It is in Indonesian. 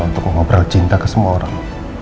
untuk mengobrol cinta ke semua orang